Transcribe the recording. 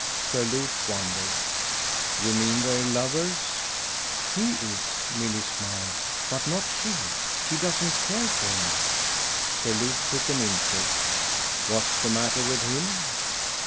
Sir Luke wondered. "You mean they're lovers?" "HE is," Milly smiled; "but not she. She doesn't care for him." Sir Luke took an interest. "What's the matter with him?"